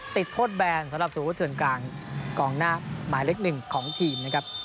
ติดโทษแบนสำหรับสมมุติเถื่อนกลางกองหน้าหมายเล็กหนึ่งของทีมนะครับ